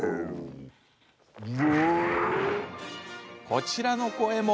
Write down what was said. こちらの声も。